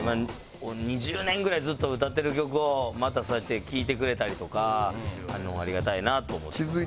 ２０年ぐらいずっと歌ってる曲をまたそうやって聴いてくれたりとかありがたいなと思ってます。